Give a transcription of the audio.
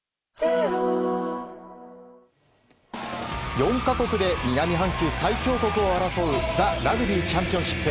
４か国で南半球最強国を争うザ・ラグビーチャンピオンシップ。